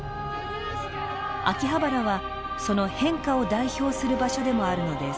秋葉原はその変化を代表する場所でもあるのです。